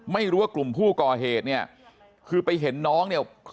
ไม่รู้ว่ากลุ่มผู้ก่อเหตุเนี่ยคือไปเห็นน้องเนี่ย